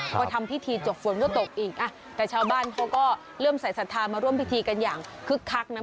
พอทำพิธีจบฝนก็ตกอีกแต่ชาวบ้านเขาก็เริ่มใส่ศรัทธามาร่วมพิธีกันอย่างคึกคักนะ